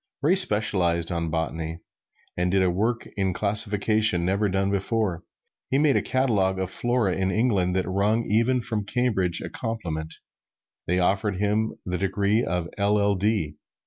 Ray specialized on botany, and did a work in classification never done before. He made a catalog of the flora of England that wrung even from Cambridge a compliment they offered him the degree of LL.D.